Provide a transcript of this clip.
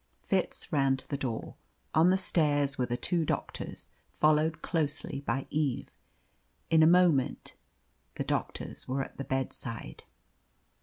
Fitz ran to the door. On the stairs were the two doctors, followed closely by Eve. In a moment the doctors were at the bedside.